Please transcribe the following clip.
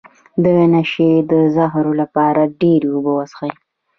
د نشې د زهرو لپاره ډیرې اوبه وڅښئ